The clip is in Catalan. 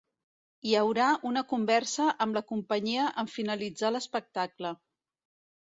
Hi haurà una conversa amb la companyia en finalitzar l'espectacle.